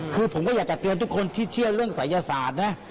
คือผมก็อยากจะเตือนทุกคนที่เชื่อเรื่องศัยศาสตร์นะ